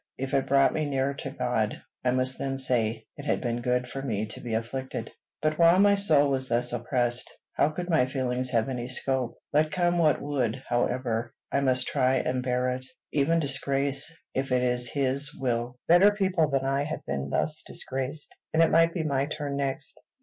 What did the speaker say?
If it brought me nearer to God, I must then say it had been good for me to be afflicted; but while my soul was thus oppressed, how could my feelings have any scope? Let come what would, however, I must try and bear it, even disgrace, if it was his will. Better people than I had been thus disgraced, and it might be my turn next.